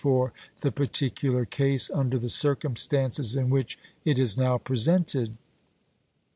for the particular case under the circumstances Ex Doc No. 67. ■ in which it is now presented."